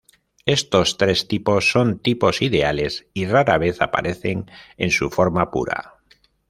Estos tres tipos son tipos ideales y rara vez aparecen en su forma pura.